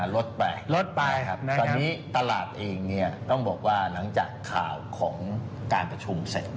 ลดไปตอนนี้ตลาดเองต้องบอกว่าหลังจากข่าวของการประชุมเสร็จ